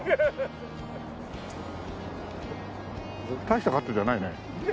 大したカットじゃないね。